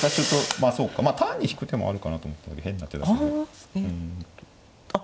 まあそうか単に引く手もあるかなと思った変な手だったね。